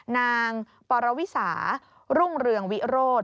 นางปรวิสารุ่งเรืองวิโรธ